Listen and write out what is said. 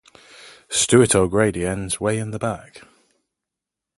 Stuart O'Grady ends way in the back.